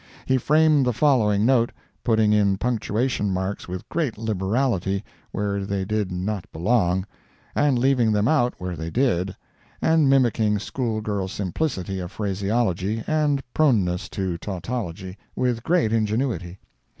He framed the following note, putting in punctuation marks with great liberality where they did not belong, and leaving them out where they did, and mimicking school girl simplicity of phraseology, and proneness to tautology, with great ingenuity.